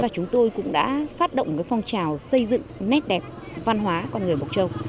chúng tôi cũng đã phát động phong trào xây dựng nét đẹp văn hóa con người mộc châu